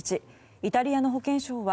イタリアの保健相は